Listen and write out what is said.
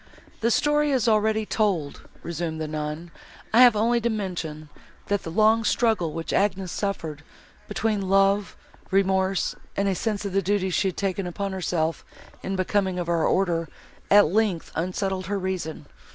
"The story is already told," resumed the nun, "I have only to mention, that the long struggle, which Agnes suffered, between love, remorse and a sense of the duties she had taken upon herself in becoming of our order, at length unsettled her reason.